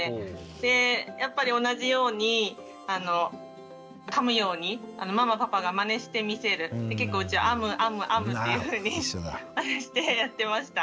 でやっぱり同じようにかむようにママパパがまねして見せる結構うちは「あむあむあむ」っていうふうにしてやってました。